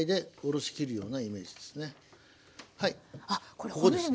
ここですね。